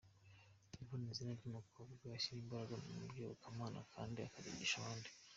Yvonne ni izina ry’umukobwa ushyira imbaraga mu by’iyobokamana kandi akabyigisha abandi.